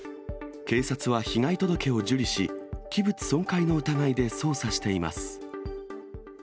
警察は被害届を受理し、器物損壊の疑いで捜査しています。